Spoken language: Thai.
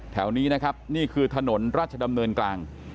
แถวนี้นะครับนี่คือถนนราชดำเนินกลาง